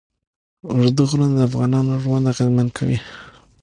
اوږده غرونه د افغانانو ژوند اغېزمن کوي.